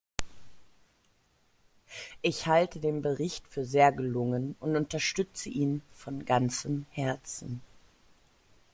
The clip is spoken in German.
Ich halte den Bericht für sehr gelungen und unterstütze ihn von ganzem Herzen.